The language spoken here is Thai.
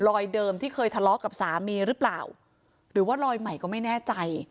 เดิมที่เคยทะเลาะกับสามีหรือเปล่าหรือว่าลอยใหม่ก็ไม่แน่ใจ